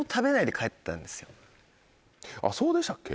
あっそうでしたっけ？